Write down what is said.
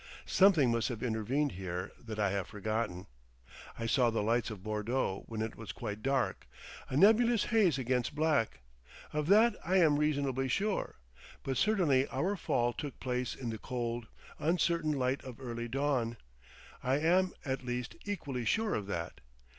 Something must have intervened here that I have forgotten. I saw the lights of Bordeaux when it was quite dark, a nebulous haze against black; of that I am reasonably sure. But certainly our fall took place in the cold, uncertain light of early dawn. I am, at least, equally sure of that.